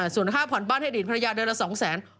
ส่วนค่าผ่อนบ้านเอดีนภรรยาเดือนละ๒๐๐๐๐๐บาท